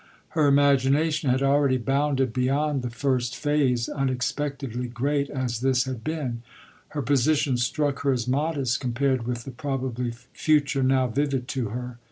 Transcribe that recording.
Her imagination had already bounded beyond the first phase unexpectedly great as this had been: her position struck her as modest compared with the probably future now vivid to her.